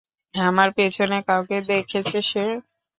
আমার পেছনে কাউকে দেখছে সে।